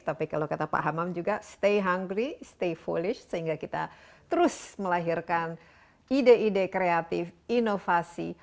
tapi kalau kata pak hamam juga stay hungry stay folis sehingga kita terus melahirkan ide ide kreatif inovasi